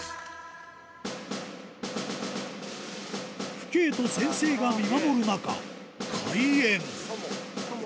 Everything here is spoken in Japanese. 父兄と先生が見守る中開演祖も。